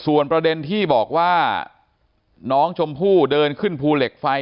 ส่วนประเด็นที่บอกว่าน้องชมพู่เดินขึ้นภูเหล็กไฟ